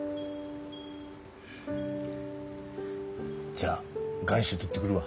じゃあ願書取ってくるわ。